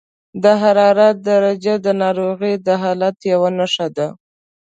د حرارت درجه د ناروغۍ د حالت یوه نښه ده.